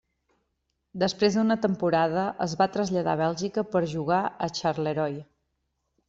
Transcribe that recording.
Després d'una temporada es va traslladar a Bèlgica per jugar a Charleroi.